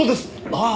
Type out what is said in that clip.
ああ！